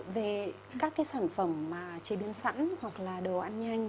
về các sản phẩm chế biến sẵn hoặc là đồ ăn nhanh